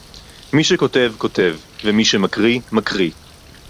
מי שכותב - כותב, ומי שמקריא - מקריא